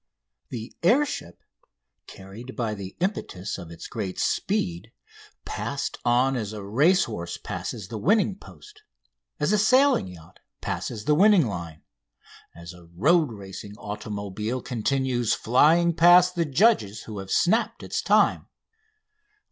The air ship, carried by the impetus of its great speed, passed on as a racehorse passes the winning post, as a sailing yacht passes the winning line, as a road racing automobile continues flying past the judges who have snapped its time.